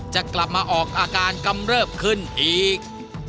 จะกลับมาออกอาการกำเริบขึ้นอีก